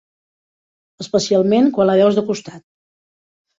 Especialment quan la veus de costat.